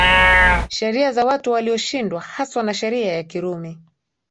sheria za watu walioshindwa haswa na sheria ya Kirumi